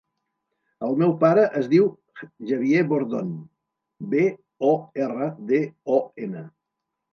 El meu pare es diu Javier Bordon: be, o, erra, de, o, ena.